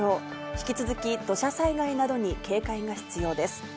引き続き土砂災害などに警戒が必要です。